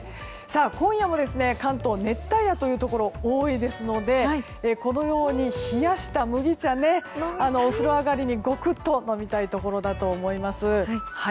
今夜も関東熱帯夜というところが多いですのでこのように冷やした麦茶をお風呂上がりにごくっと飲みたいところだと思います。